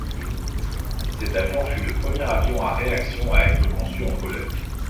Cet avion fut le premier avion à réaction à être conçu en Pologne.